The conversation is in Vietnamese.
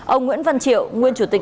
ông nguyễn văn triệu nguyên chủ tịch